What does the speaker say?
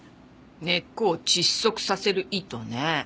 根っこを窒息させる意図ねえ。